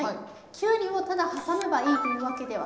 きゅうりをただ挟めばいいというわけではなくて。